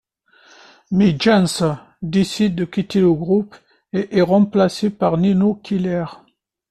Mais Jens décide de quitter le groupe, et est remplacé par Nino Keller.